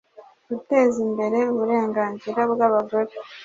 guteza imbere uburenganzira bwabagore